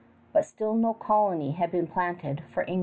But still no colony had been planted for England.